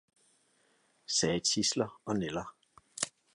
sagde tidsler og nælder.